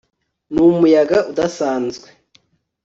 numuyaga udasanzwe